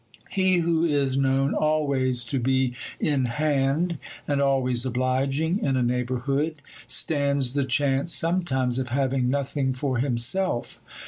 He who is known always to be in hand, and always obliging, in a neighbourhood, stands the chance sometimes of having nothing for himself.